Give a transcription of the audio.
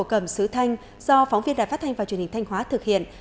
và sản phẩm sứ thanh do phóng viên đài phát thanh và truyền hình thanh hóa thực hiện